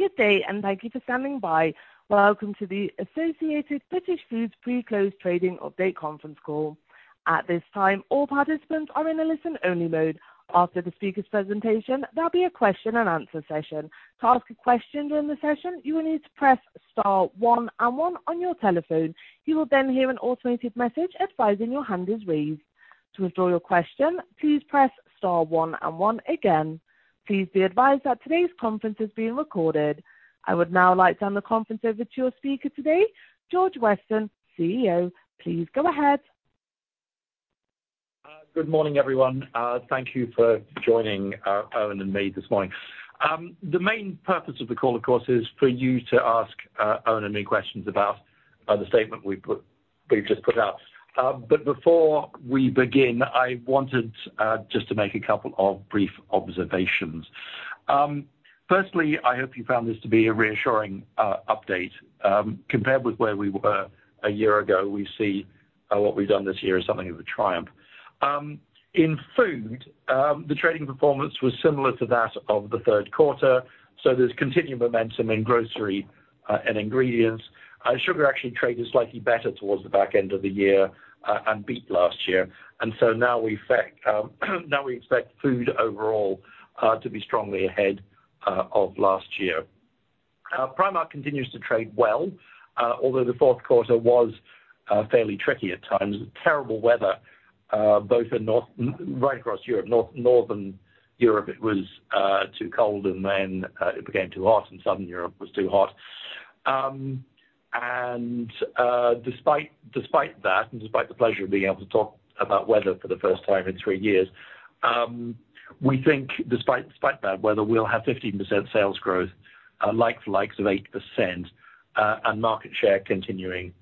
Good day, and thank you for standing by. Welcome to the Associated British Foods pre-close trading update conference call. At this time, all participants are in a listen-only mode. After the speaker's presentation, there'll be a question-and-answer session. To ask a question during the session, you will need to press star one and one on your telephone. You will then hear an automated message advising your hand is raised. To withdraw your question, please press star one and one again. Please be advised that today's conference is being recorded. I would now like to hand the conference over to your speaker today, George Weston, CEO. Please go ahead. Good morning, everyone. Thank you for joining Eoin and me this morning. The main purpose of the call, of course, is for you to ask Eoin and me questions about the statement we put, we've just put out. But before we begin, I wanted just to make a couple of brief observations. Firstly, I hope you found this to be a reassuring update. Compared with where we were a year ago, we see what we've done this year as something of a triumph. In food, the trading performance was similar to that of the third quarter, so there's continuing momentum in grocery and ingredients. Sugar actually traded slightly better towards the back end of the year, and beat last year, and so now we expect food overall to be strongly ahead of last year. Primark continues to trade well, although the fourth quarter was fairly tricky at times. Terrible weather right across Europe. Northern Europe, it was too cold, and then it became too hot, and Southern Europe was too hot. And despite that, and despite the pleasure of being able to talk about weather for the first time in three years, we think despite bad weather, we'll have 15% sales growth, like-for-likes of 8%, and market share continuing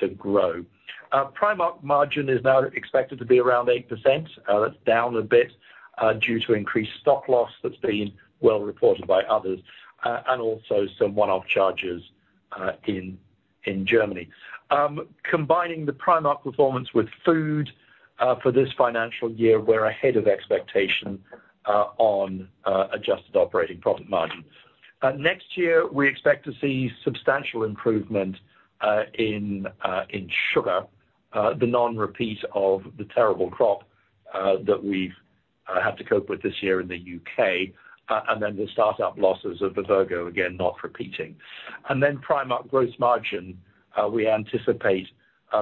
to grow. Primark margin is now expected to be around 8%. That's down a bit, due to increased stock loss that's been well reported by others, and also some one-off charges in Germany. Combining the Primark performance with food for this financial year, we're ahead of expectation on adjusted operating profit margin. Next year, we expect to see substantial improvement in sugar, the non-repeat of the terrible crop that we've had to cope with this year in the U.K., and then the start-up losses of the Vivergo, again, not repeating. And then Primark gross margin, we anticipate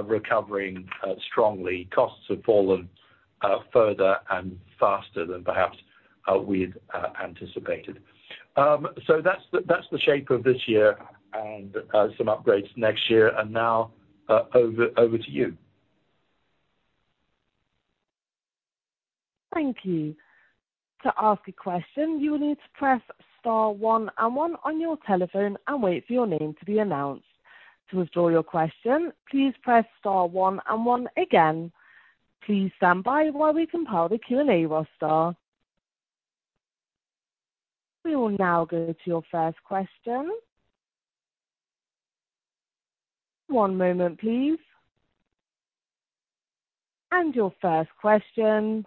recovering strongly. Costs have fallen further and faster than perhaps we'd anticipated. So that's the shape of this year and some upgrades next year, and now over to you. Thank you. To ask a question, you will need to press star one and one on your telephone and wait for your name to be announced. To withdraw your question, please press star one and one again. Please stand by while we compile the Q&A roster. We will now go to your first question. One moment, please. Your first question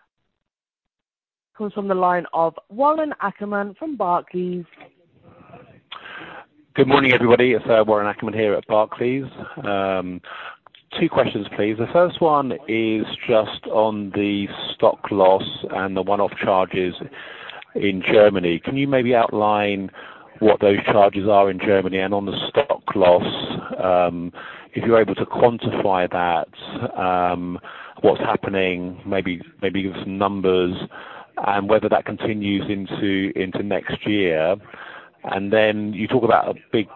comes from the line of Warren Ackerman from Barclays. Good morning, everybody. It's Warren Ackerman here at Barclays. Two questions, please. The first one is just on the stock loss and the one-off charges in Germany. Can you maybe outline what those charges are in Germany? And on the stock loss, if you're able to quantify that, what's happening, maybe, maybe give us some numbers and whether that continues into next year. And then you talk about a big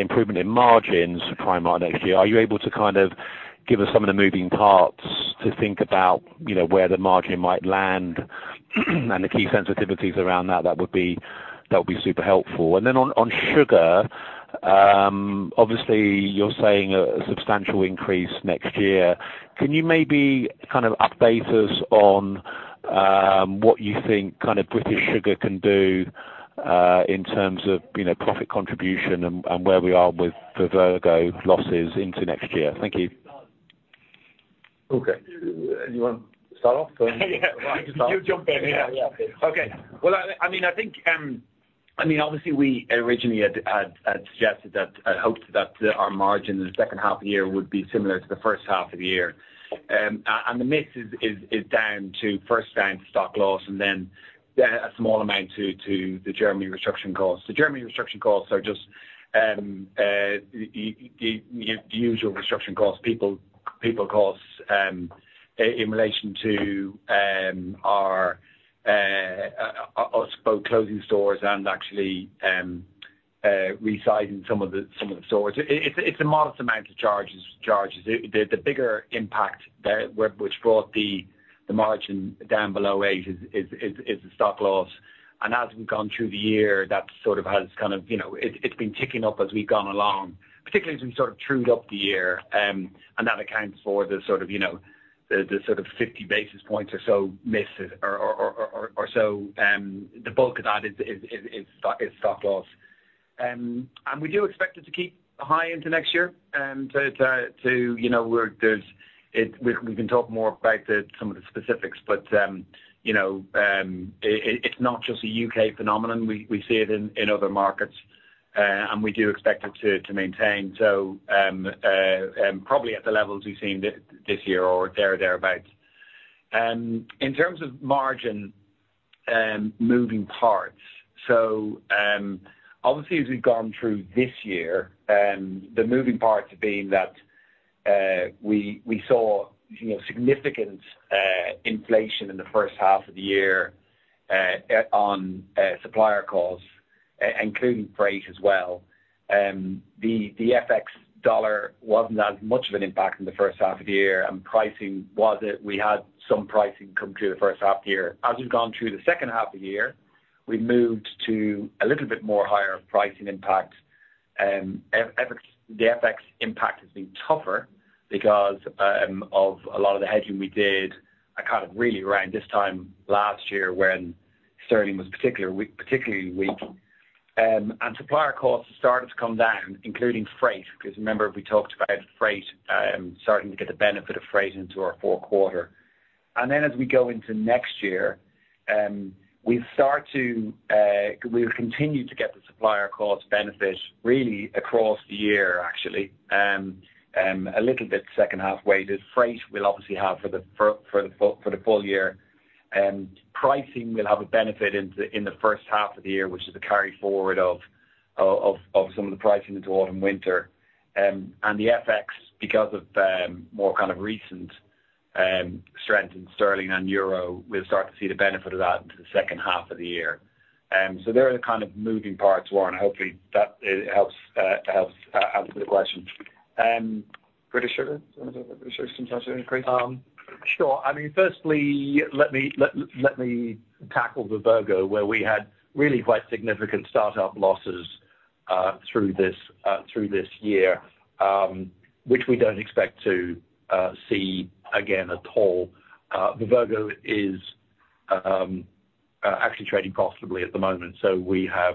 improvement in margins for Primark next year. Are you able to kind of give us some of the moving parts to think about, you know, where the margin might land and the key sensitivities around that? That would be super helpful. And then on sugar, obviously you're saying a substantial increase next year. Can you maybe kind of update us on what you think kind of British Sugar can do in terms of you know profit contribution and where we are with the Vivergo losses into next year? Thank you. Okay. You want to start off? Yeah. You jump in. Yeah, yeah. Okay. Well, I mean, I think, I mean, obviously we originally had suggested that and hoped that our margin in the second half of the year would be similar to the first half of the year. And the miss is down to, first down to stock loss and then a small amount to the Germany restructure costs. The Germany restructure costs are just the usual restructure costs, people costs, in relation to both closing stores and actually resizing some of the stores. It's a modest amount of charges. The bigger impact there, which brought the margin down below eight is the stock loss. As we've gone through the year, that sort of has kind of, you know, it's been ticking up as we've gone along, particularly as we sort of trued up the year. And that accounts for the sort of, you know, the sort of 50 basis points or so miss, or so, the bulk of that is stock loss. And we do expect it to keep high into next year, to you know, we're. There's it. We can talk more about some of the specifics, but, you know, it's not just a U.K. phenomenon. We see it in other markets. And we do expect it to maintain. So, probably at the levels we've seen this year or thereabout. In terms of margin, moving parts, so, obviously, as we've gone through this year, the moving parts being that, we saw, you know, significant inflation in the first half of the year, on supplier costs, including freight as well. The FX dollar wasn't as much of an impact in the first half of the year, and pricing was. We had some pricing come through the first half of the year. As we've gone through the second half of the year, we've moved to a little bit more higher pricing impact. FX, the FX impact has been tougher because of a lot of the hedging we did, kind of really around this time last year when sterling was particularly weak. And supplier costs have started to come down, including freight, because remember, we talked about freight, starting to get the benefit of freight into our fourth quarter. And then as we go into next year, we'll continue to get the supplier cost benefit really across the year, actually. A little bit second half weighted. Freight will obviously have for the full year. Pricing will have a benefit in the first half of the year, which is a carry forward of some of the pricing into autumn, winter. And the FX, because of more kind of recent strength in sterling and euro, we'll start to see the benefit of that into the second half of the year. So they are the kind of moving parts, Warren, hopefully that helps answer the question. British Sugar Sure. I mean, firstly, let me tackle the Vivergo, where we had really quite significant start-up losses through this year, which we don't expect to see again at all. Vivergo is actually trading profitably at the moment, so we have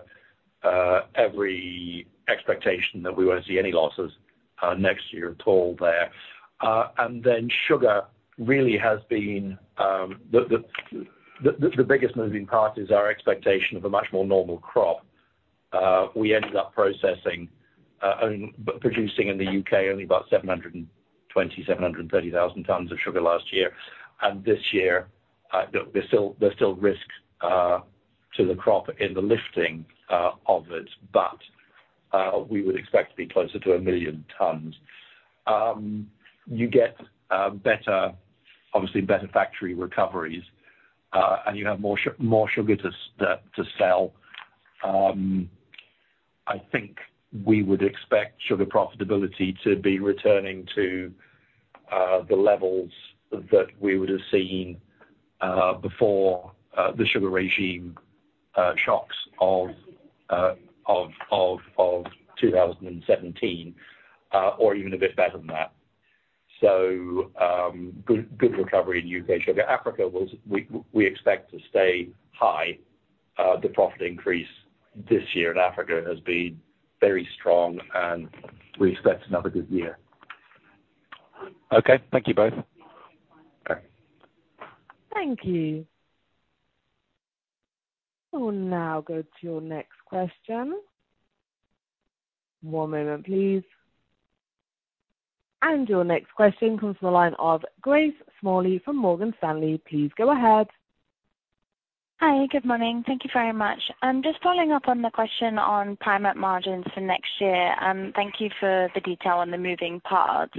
every expectation that we won't see any losses next year at all there. And then sugar really has been the biggest moving part is our expectation of a much more normal crop. We ended up producing in the U.K. only about 720,000-730,000 tons of sugar last year. And this year, there's still risk to the crop in the lifting of it, but we would expect to be closer to 1 million tons. You get, better, obviously better factory recoveries, and you have more sugar to sell. I think we would expect sugar profitability to be returning to the levels that we would have seen before the sugar regime shocks of 2017, or even a bit better than that. So, good, good recovery in U.K. sugar. Africa, we expect to stay high. The profit increase this year in Africa has been very strong, and we expect another good year. Okay. Thank you both. Okay. Thank you. We'll now go to your next question. One moment, please. Your next question comes from the line of Grace Smalley from Morgan Stanley. Please go ahead. Hi, good morning. Thank you very much. Just following up on the question on Primark margins for next year, thank you for the detail on the moving parts.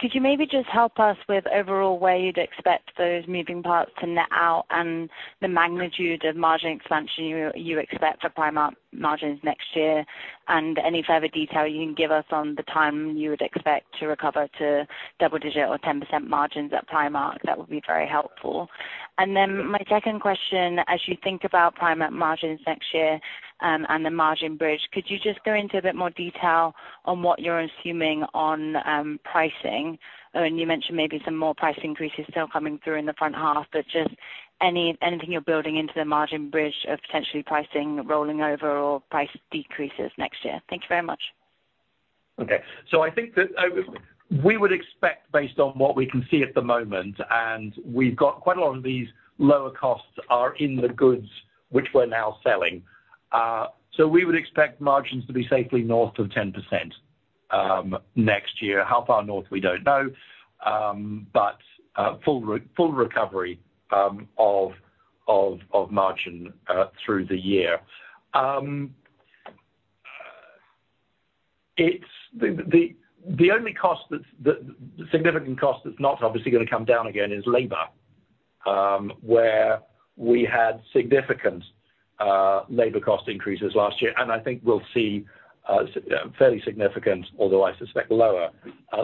Could you maybe just help us with overall where you'd expect those moving parts to net out and the magnitude of margin expansion you, you expect for Primark margins next year? And any further detail you can give us on the time you would expect to recover to double-digit or 10% margins at Primark, that would be very helpful. And then my second question, as you think about Primark margins next year, and the margin bridge, could you just go into a bit more detail on what you're assuming on, pricing? You mentioned maybe some more price increases still coming through in the front half, but just anything you're building into the margin bridge of potentially pricing, rolling over or price decreases next year. Thank you very much. Okay. So I think that, we would expect, based on what we can see at the moment, and we've got quite a lot of these lower costs are in the goods which we're now selling. So we would expect margins to be safely north of 10%, next year. How far north, we don't know, but full recovery of margin through the year. It's the only cost that's the significant cost that's not obviously gonna come down again is labor, where we had significant labor cost increases last year, and I think we'll see fairly significant, although I suspect lower,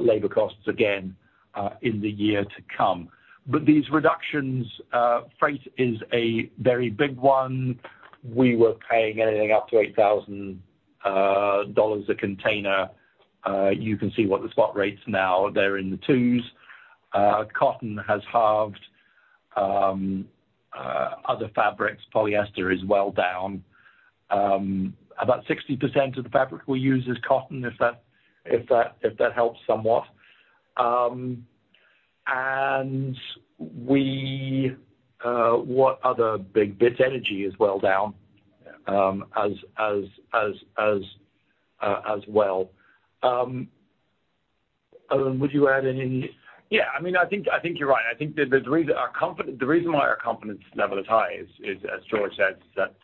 labor costs again in the year to come. But these reductions, freight is a very big one. We were paying anything up to $8,000 a container. You can see what the spot rate's now, they're in the twos. Cotton has halved. Other fabrics, polyester is well down. About 60% of the fabric we use is cotton, if that helps somewhat. And we, what other big bits? Energy is well down, as well. Eoin, would you add anything? Yeah, I mean, I think you're right. I think that the reason our confidence- the reason why our confidence level is high is, as George said, that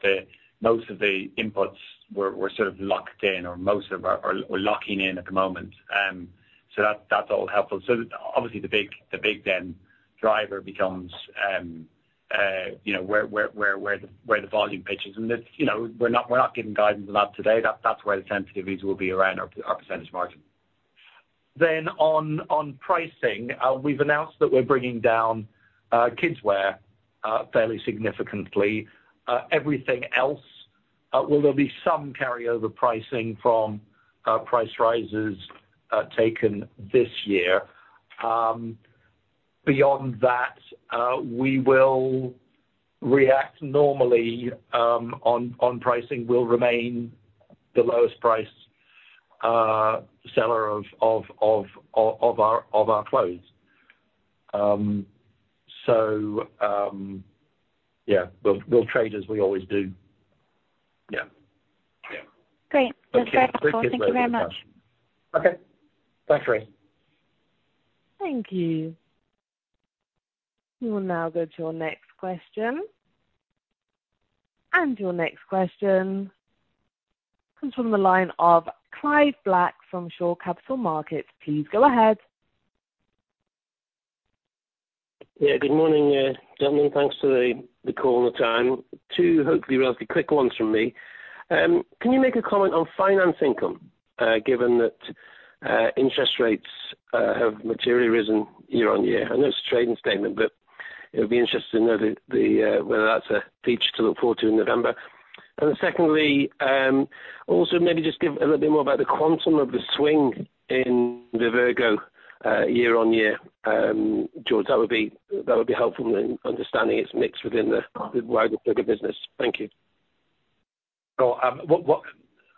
most of the inputs we're sort of locked in, or most of them are locking in at the moment. So that's all helpful. So obviously, the big driver becomes, you know, where the volume pitch is. And, you know, we're not giving guidance on that today. That's where the sensitivity will be around our percentage margin. Then on pricing, we've announced that we're bringing down kidswear fairly significantly. Everything else, well, there'll be some carryover pricing from price rises taken this year. Beyond that, we will react normally on pricing. We'll remain the lowest price seller of our clothes. So, yeah, we'll trade as we always do. Yeah. Yeah. Great. That's very helpful. Thank you very much. Okay. Thanks, Grace. Thank you. We will now go to your next question. And your next question comes from the line of Clive Black from Shore Capital Markets. Please go ahead. Yeah, good morning, gentlemen. Thanks for the call and the time. Two hopefully relatively quick ones from me. Can you make a comment on finance income, given that interest rates have materially risen year on year? I know it's a trading statement, but it'll be interesting to know whether that's a feature to look forward to in November. And secondly, also maybe just give a little bit more about the quantum of the swing in the Vivergo year on year. George, that would be-- that would be helpful in understanding its mix within the wider sugar business. Thank you. So,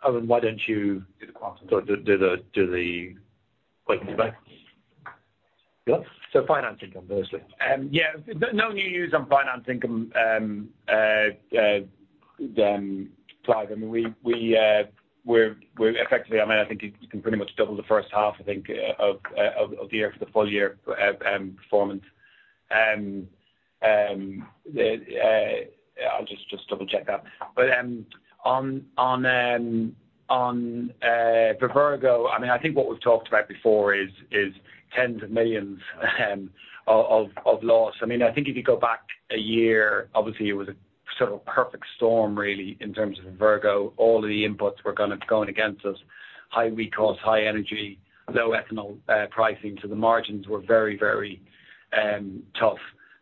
Eoin, why don't you do the quantum, do the break? Yeah. Finance income, firstly. Yeah, no new news on finance income, Clive. I mean, we're effectively I mean, I think you can pretty much double the first half, I think, of the year for the full year performance. I'll just double-check that. But on the Vivergo, I mean, I think what we've talked about before is tens of millions of loss. I mean, I think if you go back a year, obviously it was a sort of a perfect storm, really, in terms of Vivergo. All of the inputs were going against us, high raw cost, high energy, low ethanol pricing. So the margins were very, very tough.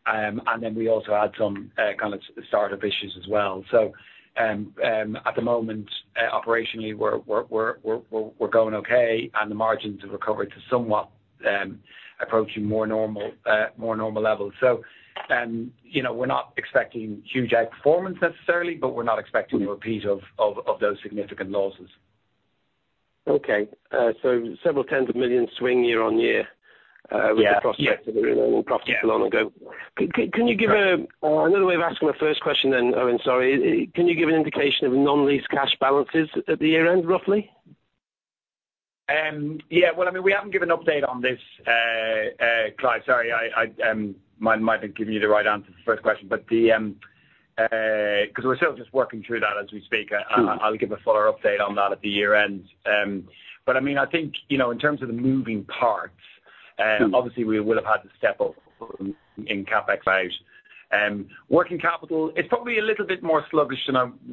And then we also had some kind of startup issues as well. So, at the moment, operationally, we're going okay, and the margins have recovered to somewhat approaching more normal levels. So, you know, we're not expecting huge outperformance necessarily, but we're not expecting a repeat of those significant losses. Okay. So several tens of millions GBP swing year-on-year- Yeah. -with the prospect of the remaining profit long ago. Yeah. Can you give a... Another way of asking my first question then, Eoin, sorry. Can you give an indication of non-lease cash balances at the year-end, roughly? Yeah. Well, I mean, we haven't given an update on this, Clive. Sorry, might have given you the right answer to the first question, but 'cause we're still just working through that as we speak. Sure. I'll give a fuller update on that at the year-end. But I mean, I think, you know, in terms of the moving parts- Sure. Obviously, we would have had to step up in CapEx out. Working capital, it's probably a little bit more sluggish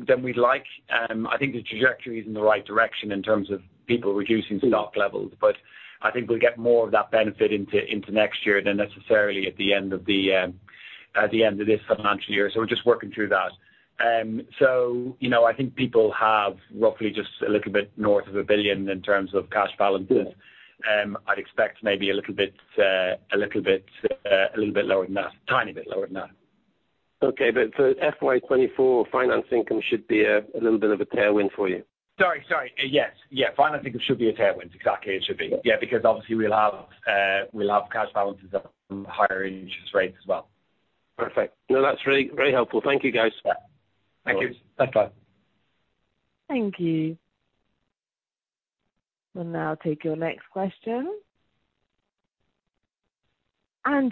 than we'd like. I think the trajectory is in the right direction in terms of people reducing stock levels, but I think we'll get more of that benefit into next year than necessarily at the end of the, at the end of this financial year. So we're just working through that. So, you know, I think people have roughly just a little bit north of 1 billion in terms of cash balances. I'd expect maybe a little bit lower than that, tiny bit lower than that. Okay. But for FY 2024, finance income should be a little bit of a tailwind for you? Sorry, sorry. Yes. Yeah, finance income should be a tailwind. Exactly, it should be. Yeah, because obviously we'll have, we'll have cash balances at higher interest rates as well. Perfect. No, that's really very helpful. Thank you, guys. Thank you. Bye, Clive. Thank you. We'll now take your next question.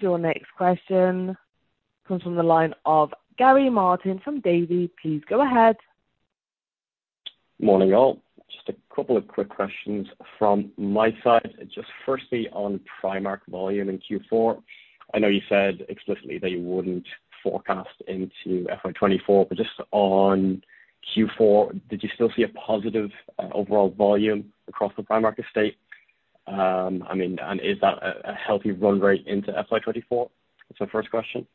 Your next question comes from the line of Gary Martin from Davy. Please go ahead. Morning, all. Just a couple of quick questions from my side. Just firstly, on Primark volume in Q4, I know you said explicitly that you wouldn't forecast into FY 2024, but just on Q4, did you still see a positive overall volume across the Primark estate? I mean, and is that a healthy run rate into FY 2024? That's my first question.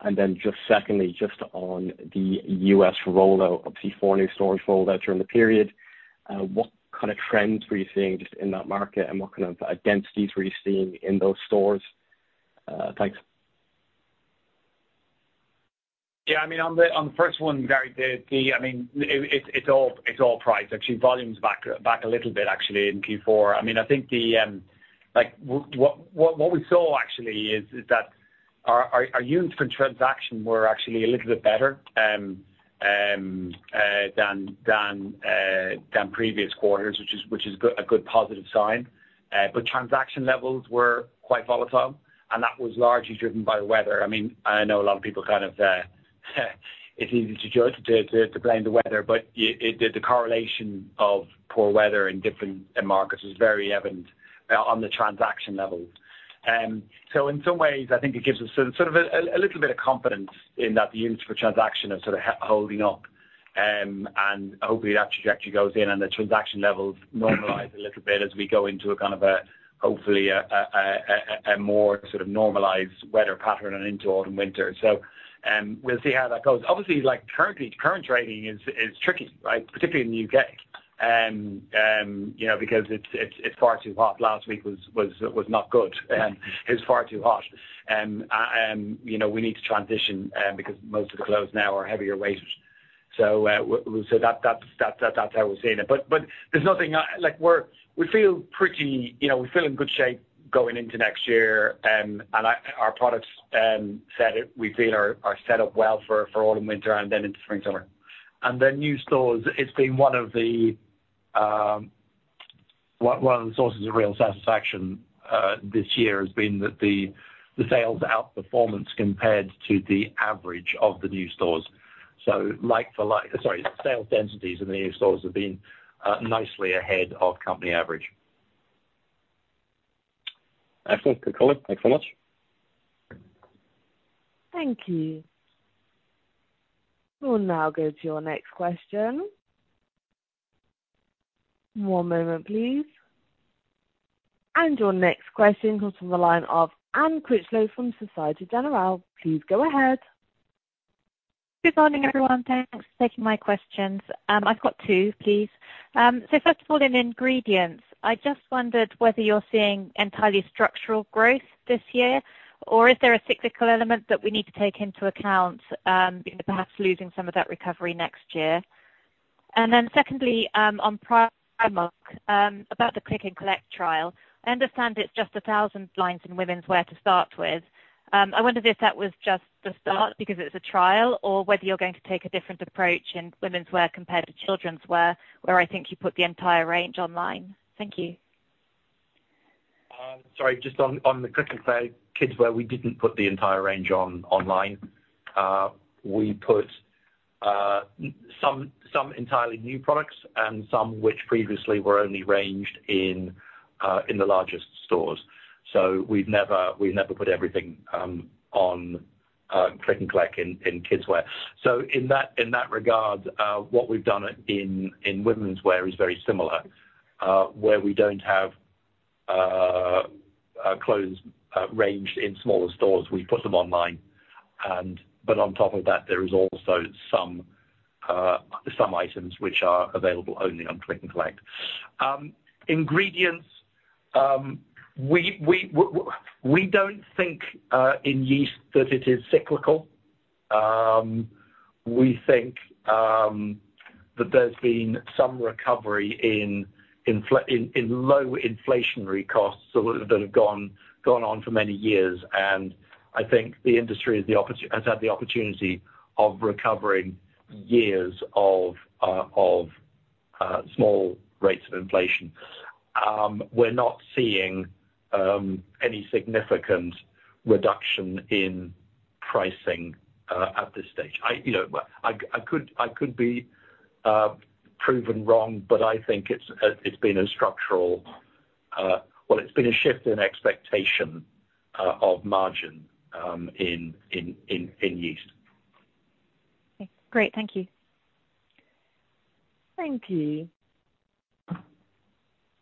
And then just secondly, just on the U.S. rollout, obviously, four new stores rolled out during the period, what kind of trends were you seeing just in that market, and what kind of densities were you seeing in those stores? Thanks.... Yeah, I mean, on the first one, Gary, the I mean, it's all price. Actually, volume's back a little bit, actually, in Q4. I mean, I think the like what we saw actually is that our units for transaction were actually a little bit better than previous quarters, which is a good positive sign. But transaction levels were quite volatile, and that was largely driven by weather. I mean, I know a lot of people kind of it's easy to judge to blame the weather, but the correlation of poor weather in different markets was very evident on the transaction levels. So in some ways, I think it gives us sort of a little bit of confidence in that the units per transaction are sort of holding up. And hopefully that trajectory goes in and the transaction levels normalize a little bit as we go into a kind of, hopefully, a more sort of normalized weather pattern and into autumn, winter. So, we'll see how that goes. Obviously, like, currently, current trading is tricky, right? Particularly in the U.K. You know, because it's far too hot. Last week was not good and it's far too hot. You know, we need to transition because most of the clothes now are heavier weights. So, so that, that's how we're seeing it. But there's nothing I... Like, we feel pretty, you know, we feel in good shape going into next year. And our products we feel are set up well for autumn, winter, and then into spring, summer. And the new stores, it's been one of the sources of real satisfaction this year has been that the sales outperformance compared to the average of the new stores. So like-for-like, sorry, sales densities in the new stores have been nicely ahead of company average. Excellent. Good color. Thanks so much. Thank you. We'll now go to your next question. One moment, please. And your next question comes from the line of Anne Critchlow from Société Générale. Please go ahead. Good morning, everyone. Thanks for taking my questions. I've got two, please. So first of all, in ingredients, I just wondered whether you're seeing entirely structural growth this year, or is there a cyclical element that we need to take into account, perhaps losing some of that recovery next year? And then secondly, on Primark, about the Click & Collect trial, I understand it's just 1,000 lines in womenswear to start with. I wonder if that was just the start because it's a trial, or whether you're going to take a different approach in womenswear compared to childrenswear, where I think you put the entire range online. Thank you. Sorry, just on the Click & Collect kids where we didn't put the entire range online. We put some entirely new products and some which previously were only ranged in the largest stores. So we've never put everything on Click & Collect in kidswear. So in that regard, what we've done in womenswear is very similar, where we don't have clothes ranged in smaller stores. We put them online and... but on top of that, there is also some items which are available only on Click & Collect. Ingredients, we don't think in yeast that it is cyclical. We think that there's been some recovery in low inflationary costs that have gone on for many years. And I think the industry has had the opportunity of recovering years of small rates of inflation. We're not seeing any significant reduction in pricing at this stage. You know, but I could be proven wrong, but I think it's been a structural... Well, it's been a shift in expectation of margin in yeast. Great. Thank you. Thank you.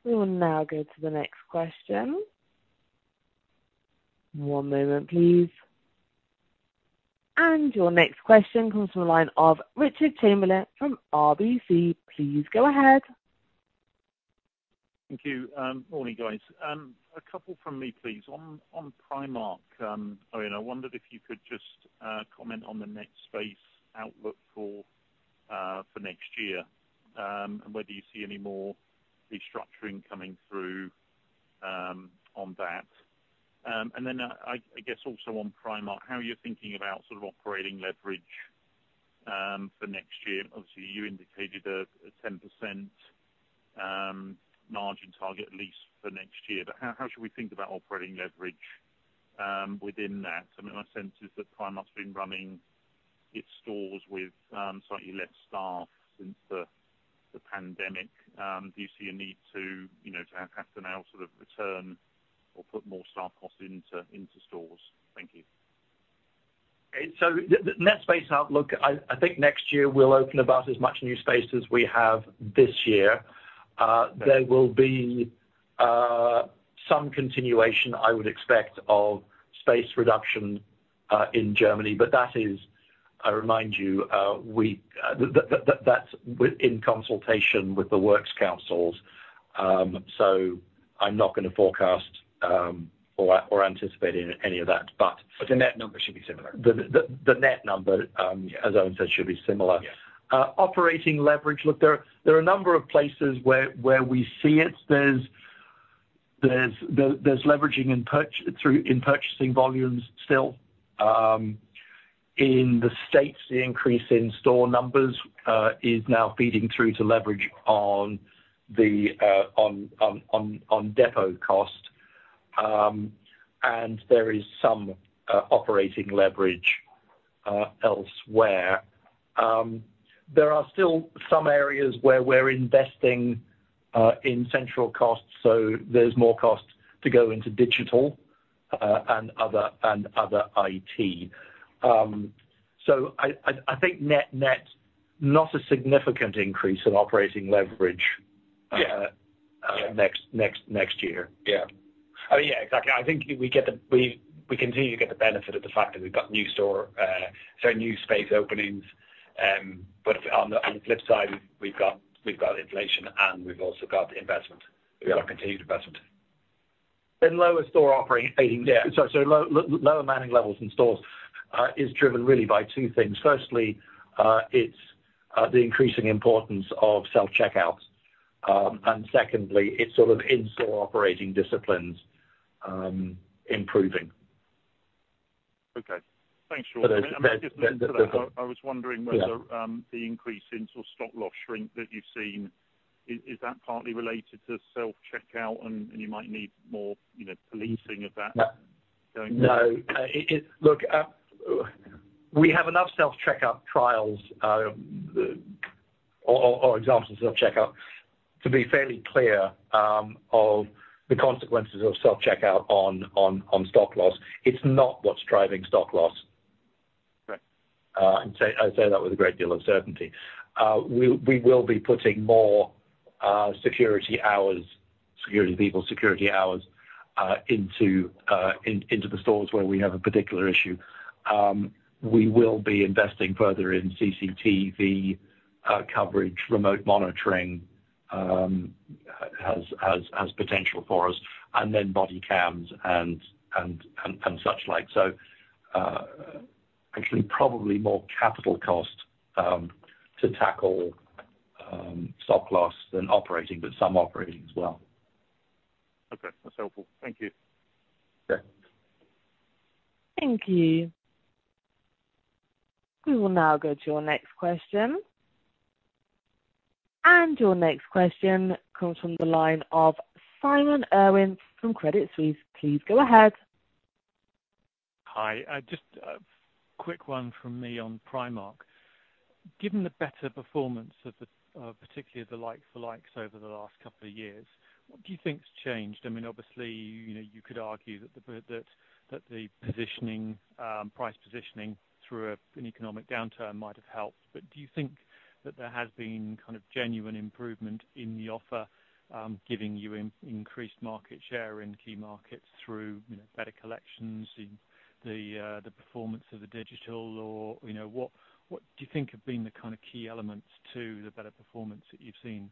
We will now go to the next question. One moment, please. And your next question comes from the line of Richard Chamberlain from RBC. Please go ahead. Thank you. Morning, guys. A couple from me, please. On Primark, I wondered if you could just comment on the net space outlook for next year, and whether you see any more restructuring coming through on that. And then, I guess also on Primark, how are you thinking about sort of operating leverage for next year? Obviously, you indicated a 10% margin target, at least for next year, but how should we think about operating leverage within that? I mean, my sense is that Primark's been running its stores with slightly less staff since the pandemic. Do you see a need to, you know, to have to now sort of return or put more staff costs into stores? Thank you. So the net space outlook, I think next year we'll open about as much new space as we have this year. There will be some continuation, I would expect, of space reduction in Germany, but that is, I remind you, that's within consultation with the works councils. So I'm not gonna forecast or anticipate any of that, but- But the net number should be similar? The net number, as Eoin said, should be similar. Yes. Operating leverage, look, there are a number of places where we see it. There's leveraging through purchasing volumes still. In the States, the increase in store numbers is now feeding through to leverage on the depot cost. And there is some operating leverage elsewhere. There are still some areas where we're investing in central costs, so there's more cost to go into digital and other IT. So I think net-net, not a significant increase in operating leverage- Yeah. next year. Yeah. I mean, yeah, exactly. I think we get the... We continue to get the benefit of the fact that we've got new store, so new space openings. But on the flip side, we've got inflation, and we've also got investment. Yeah. Continued investment. Lower store operating 18. Yeah, so, so lower manning levels in stores is driven really by two things. Firstly, it's the increasing importance of self-checkouts, and secondly, it's sort of in-store operating disciplines improving. Okay, thanks, George. I mean, I guess I was wondering whether- Yeah. The increase in sort of stock loss shrink that you've seen, is that partly related to self-checkout, and you might need more, you know, policing of that going forward? No, it. Look, we have enough self-checkout trials, or examples of self-checkout, to be fairly clear of the consequences of self-checkout on stock loss. It's not what's driving stock loss. Right. I say that with a great deal of certainty. We will be putting more security hours, security people, security hours into the stores where we have a particular issue. We will be investing further in CCTV coverage, remote monitoring as potential for us, and then body cams and such like. So, actually, probably more capital cost to tackle stock loss than operating, but some operating as well. Okay, that's helpful. Thank you. Sure. Thank you. We will now go to your next question. Your next question comes from the line of Simon Irwin from Credit Suisse. Please go ahead. Hi, just a quick one from me on Primark. Given the better performance of the, particularly the like-for-likes over the last couple of years, what do you think's changed? I mean, obviously, you know, you could argue that the positioning, price positioning through an economic downturn might have helped, but do you think that there has been kind of genuine improvement in the offer, giving you increased market share in key markets through, you know, better collections in the performance of the digital? Or, you know, what do you think have been the kind of key elements to the better performance that you've seen?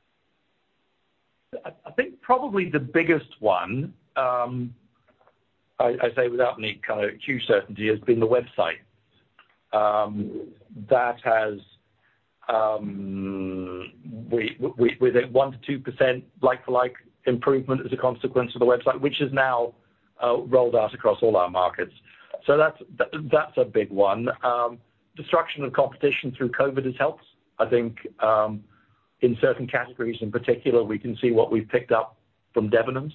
I think probably the biggest one, I say without any kind of huge certainty, has been the website. That has, we're at 1%-2% like-for-like improvement as a consequence of the website, which is now rolled out across all our markets. So that's a big one. Destruction of competition through COVID has helped. I think, in certain categories in particular, we can see what we've picked up from Debenhams.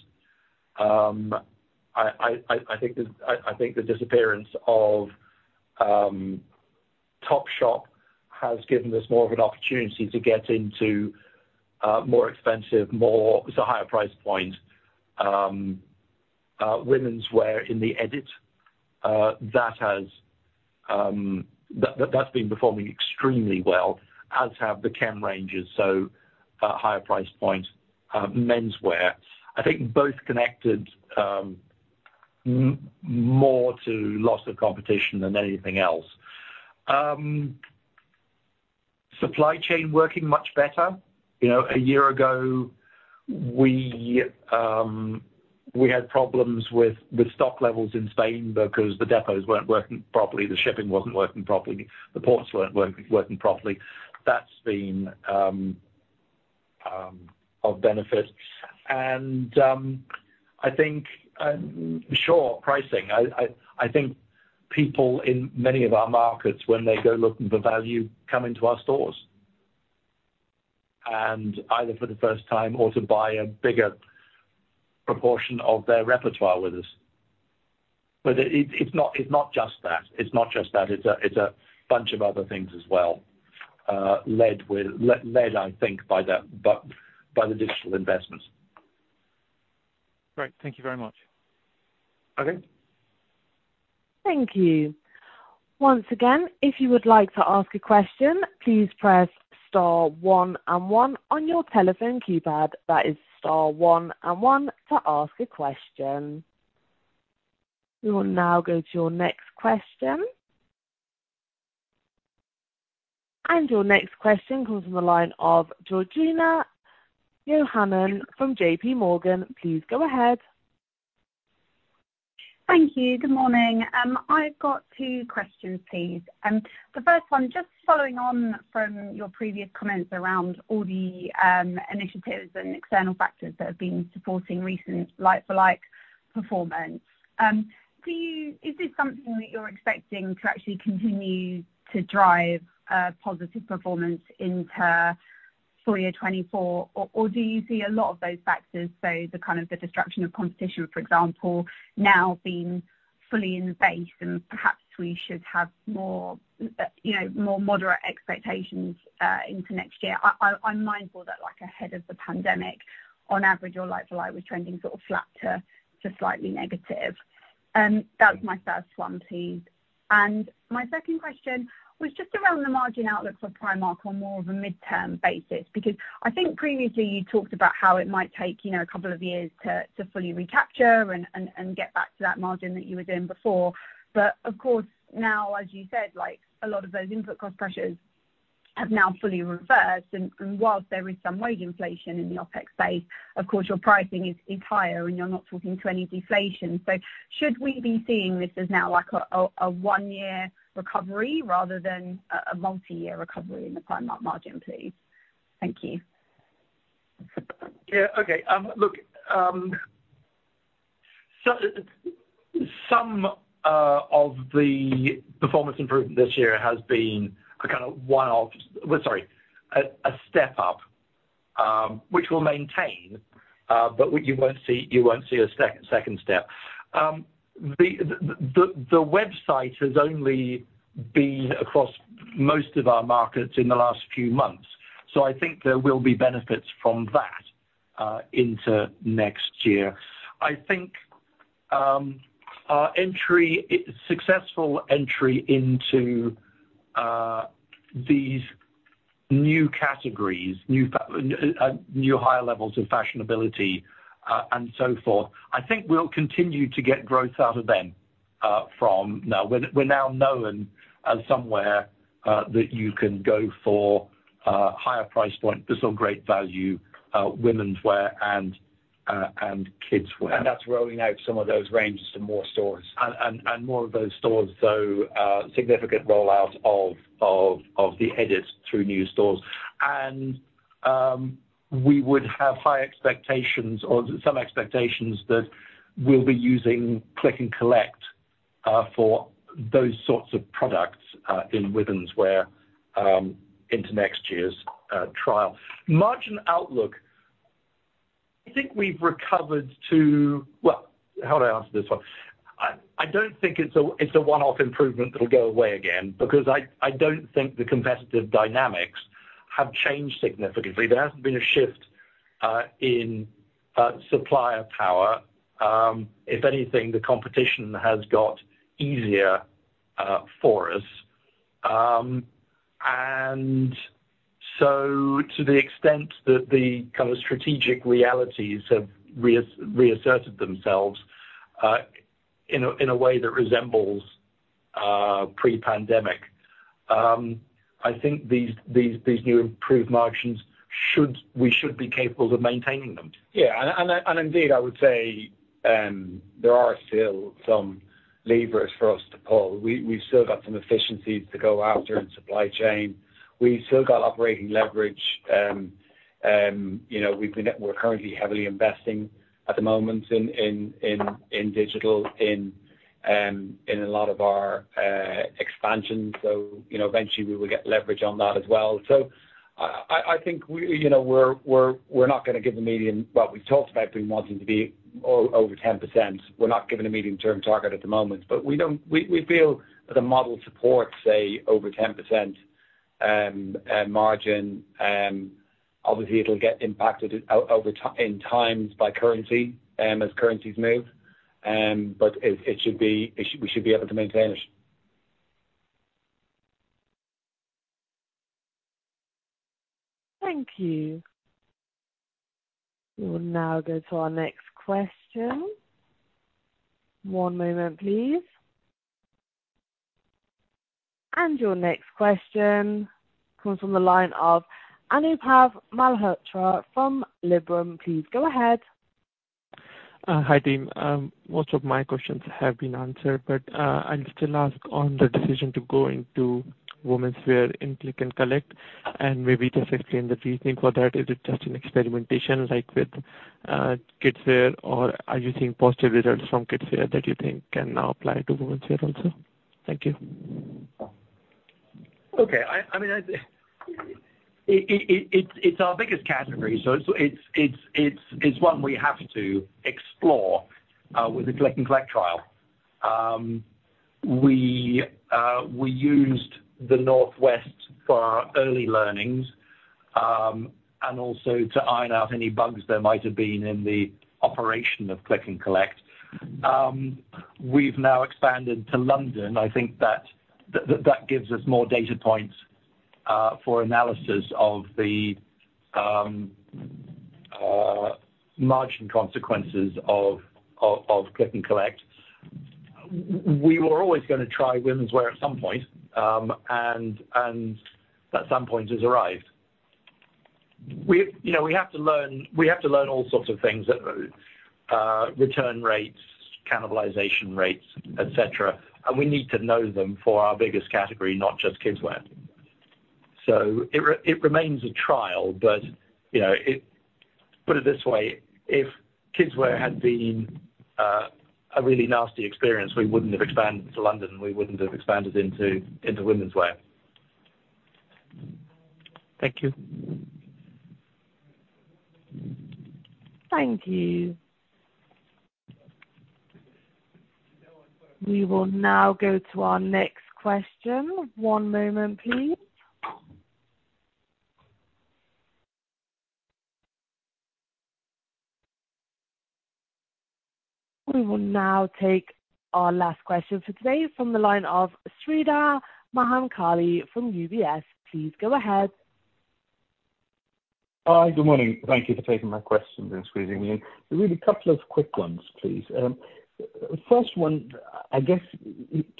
I think the disappearance of Topshop has given us more of an opportunity to get into more expensive, more so higher price point womenswear in The Edit, that that's been performing extremely well, as have the Kem ranges, so higher price point menswear. I think both connected, more to loss of competition than anything else. Supply chain working much better. You know, a year ago, we had problems with stock levels in Spain because the depots weren't working properly, the shipping wasn't working properly, the ports weren't working properly. That's been of benefit. And, I think, sure, pricing. I think people in many of our markets, when they go looking for value, come into our stores, and either for the first time or to buy a bigger proportion of their repertoire with us. But it's not just that. It's not just that. It's a bunch of other things as well, led with. Led, I think, by the digital investments. Great. Thank you very much. Okay. Thank you. Once again, if you would like to ask a question, please press star one and one on your telephone keypad. That is star one and one to ask a question. We will now go to your next question. And your next question comes from the line of Georgina Johanan from JPMorgan. Please go ahead. Thank you. Good morning. I've got two questions, please. The first one, just following on from your previous comments around all the initiatives and external factors that have been supporting recent like-for-like performance. Is this something that you're expecting to actually continue to drive positive performance into full year 2024? Or do you see a lot of those factors, say, the kind of the disruption of competition, for example, now being fully in the base, and perhaps we should have more, you know, more moderate expectations into next year? I'm mindful that, like, ahead of the pandemic, on average, your like-for-like was trending sort of flat to slightly negative. That was my first one, please. My second question was just around the margin outlook for Primark on more of a midterm basis, because I think previously you talked about how it might take, you know, a couple of years to fully recapture and get back to that margin that you were in before. But of course, now, as you said, like, a lot of those input cost pressures have now fully reversed, and whilst there is some wage inflation in the OpEx base, of course, your pricing is higher, and you're not talking to any deflation. So should we be seeing this as now, like, a one-year recovery rather than a multi-year recovery in the Primark margin, please? Thank you. Yeah, okay. Look, so some of the performance improvement this year has been a kind of one-off. Well, sorry, a step up, which we'll maintain, but you won't see a second step. The website has only been across most of our markets in the last few months, so I think there will be benefits from that into next year. I think our successful entry into these new categories, new higher levels of fashionability, and so forth. I think we'll continue to get growth out of them from now. We're now known as somewhere that you can go for higher price point, but still great value, womenswear and kidswear. That's rolling out some of those ranges to more stores. More of those stores, so significant rollout of The Edits through new stores. And we would have high expectations or some expectations that we'll be using Click & Collect for those sorts of products in womenswear into next year's trial. Margin outlook, I think we've recovered to... Well, how do I answer this one? I don't think it's a one-off improvement that'll go away again, because I don't think the competitive dynamics have changed significantly. There hasn't been a shift in supplier power. If anything, the competition has got easier for us. And so to the extent that the kind of strategic realities have reasserted themselves, in a way that resembles pre-pandemic, I think these new improved margins should—we should be capable of maintaining them. Yeah, and indeed, I would say there are still some levers for us to pull. We've still got some efficiencies to go after in supply chain. We've still got operating leverage. You know, we're currently heavily investing at the moment in digital, in a lot of our expansion. So, you know, eventually we will get leverage on that as well. So I think we, you know, we're not going to give a medium-term. Well, we've talked about we want them to be over 10%. We're not giving a medium-term target at the moment, but we feel that the model supports over 10% margin. Obviously, it'll get impacted over time, at times by currency, as currencies move, but it, it... We should be able to maintain it. Thank you. We will now go to our next question. One moment, please. Your next question comes from the line of Anubhav Malhotra from Liberum. Please go ahead. Hi, team. Most of my questions have been answered, but I'll still ask on the decision to go into womenswear in Click & Collect, and maybe just explain the reasoning for that. Is it just an experimentation like with kids wear, or are you seeing positive results from kids wear that you think can now apply to womenswear also? Thank you. Okay. I mean, it's our biggest category, so it's one we have to explore with the Click & Collect trial. We used the northwest for our early learnings, and also to iron out any bugs there might have been in the operation of Click & Collect. We've now expanded to London. I think that gives us more data points for analysis of the margin consequences of Click & Collect. We were always gonna try womenswear at some point, and that some point has arrived. We, you know, we have to learn, we have to learn all sorts of things that return rates, cannibalization rates, et cetera, and we need to know them for our biggest category, not just kidswear. It remains a trial, but, you know, it. Put it this way, if kidswear had been a really nasty experience, we wouldn't have expanded to London, and we wouldn't have expanded into womenswear. Thank you. Thank you. We will now go to our next question. One moment, please. We will now take our last question for today from the line of Sreedhar Mahamkali from UBS. Please go ahead. Hi, good morning. Thank you for taking my questions and squeezing me in. Really a couple of quick ones, please. First one, I guess,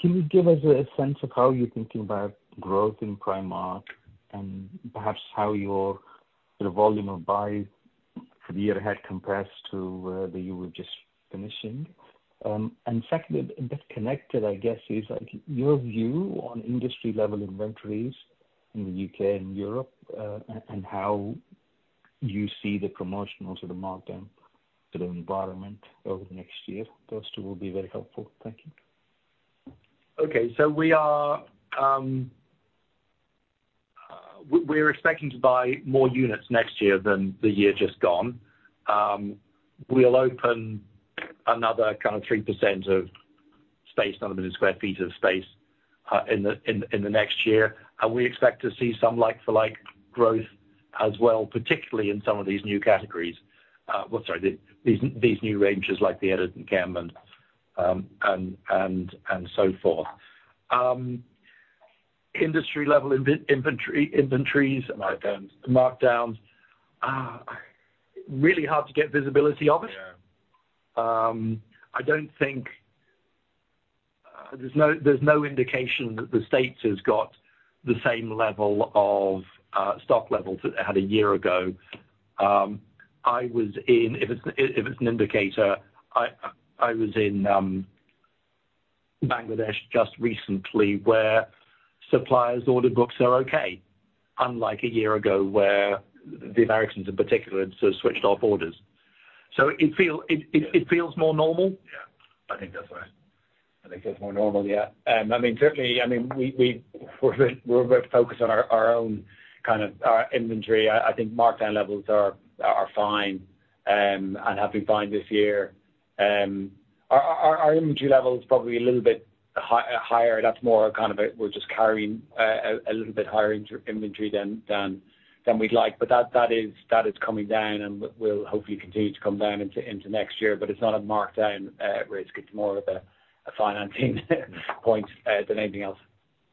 can you give us a sense of how you're thinking about growth in Primark and perhaps how your, the volume of buys for the year ahead compares to, the year we're just finishing? And second, a bit connected, I guess, is like your view on industry level inventories in the U.K. and Europe, and how you see the promotional to the markdown to the environment over the next year. Those two will be very helpful. Thank you. Okay. So we're expecting to buy more units next year than the year just gone. We'll open another kind of 3% of space, another 1 million sq ft of space, in the next year, and we expect to see some like-for-like growth as well, particularly in some of these new categories. The new ranges, like The Edit, and so forth. Industry-level inventories- Markdowns. Markdowns, really hard to get visibility of it. Yeah. I don't think... There's no indication that the States has got the same level of stock levels that it had a year ago. If it's an indicator, I was in Bangladesh just recently, where suppliers' order books are okay, unlike a year ago, where the Americans in particular had sort of switched off orders. So it feels more normal. Yeah. I think that's right. I think it's more normal, yeah. I mean, certainly, I mean, we're focused on our own kind of our inventory. I think markdown levels are fine, and have been fine this year. Our inventory level is probably a little bit higher. That's more kind of a, we're just carrying a little bit higher inventory than we'd like, but that is coming down, and will hopefully continue to come down into next year. But it's not a markdown risk. It's more of a financing point than anything else.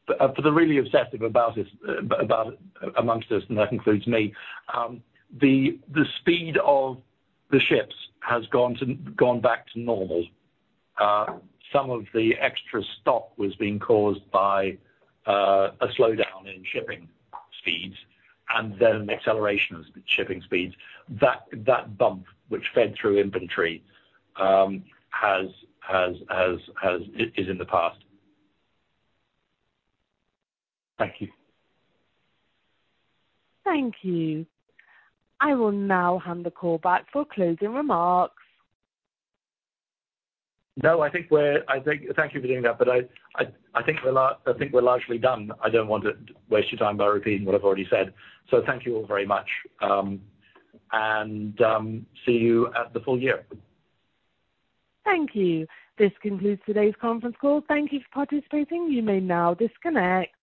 For the really obsessive about this, about amongst us, and that includes me, the speed of the ships has gone to, gone back to normal. Some of the extra stock was being caused by a slowdown in shipping speeds and then an acceleration of shipping speeds. That bump, which fed through inventory, is in the past. Thank you. Thank you. I will now hand the call back for closing remarks. No, thank you for doing that, but I think we're largely done. I don't want to waste your time by repeating what I've already said. So thank you all very much, and see you at the full year. Thank you. This concludes today's conference call. Thank you for participating. You may now disconnect.